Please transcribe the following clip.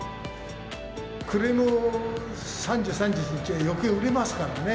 暮れの３０、３１日はよけい売れますからね。